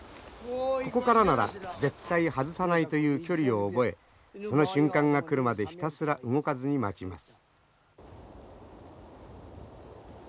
ここからなら絶対外さないという距離を覚えその瞬間が来るまでひたすら動かずに待ちます。